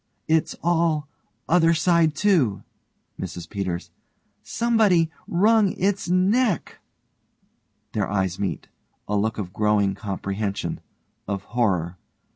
It's all other side to. MRS PETERS: Somebody wrung its neck. (_Their eyes meet. A look of growing comprehension, of horror.